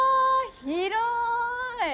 広い！